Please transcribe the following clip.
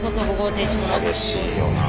激しいよな。